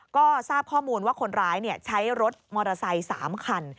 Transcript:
ก็ทราบข้อมูลว่าคนร้ายใช้รถมอเตอร์ไซค์๓คัน